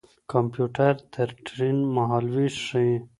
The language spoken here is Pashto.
کمپيوټر د ټرېن مهالوېش ښيي.